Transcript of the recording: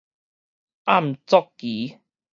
暗作期